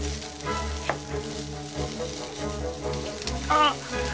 あっ！